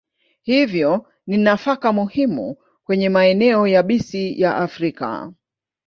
Hivyo ni nafaka muhimu kwenye maeneo yabisi ya Afrika.